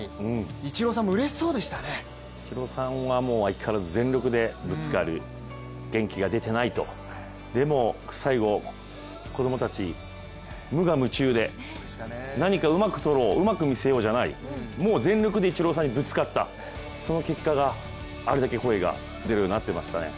イチローさん、相変わらず全力でぶつかり元気が出てないと、でも最後子供たち、無我夢中で、何かうまく捕ろう、うまく見せようじゃない、もう全力でイチローさんにぶつかったその結果があれだけ声が出るようになってましたね。